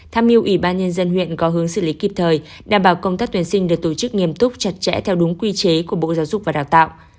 tham mưu ủy ban nhân dân huyện có hướng xử lý kịp thời đảm bảo công tác tuyển sinh được tổ chức nghiêm túc chặt chẽ theo đúng quy chế của bộ giáo dục và đào tạo